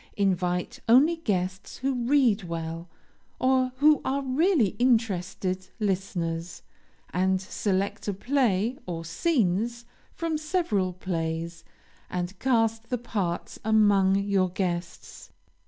Invite only guests who read well, or who are really interested listeners, and select a play, or scenes from several plays, and cast the parts among your guests.